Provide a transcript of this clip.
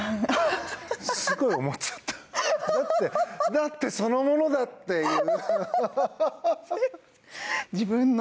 だってそのものだっていう。